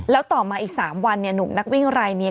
แล้วต่อมาอีก๓วันหนุ่มนักวิ่งรายนี้